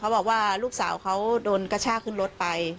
บอกว่าลูกสาวเขาโดนกระชากขึ้นรถไป